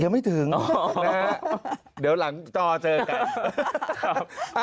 ยังไม่ถึงนะฮะเดี๋ยวหลังจอเจอกันครับ